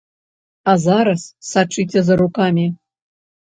А зараз сачыце за рукамі.